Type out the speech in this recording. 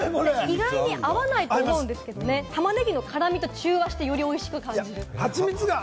意外に合わないと思うんですけれども、玉ねぎの辛みと中和して、さらに美味しく感じるという。